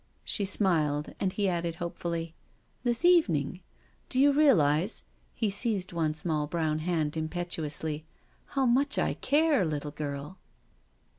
She smiled, and he added hopefully, " This evening? Do you realise "— he seized one small brown hand im« petuously— •• how much I care, little girl?"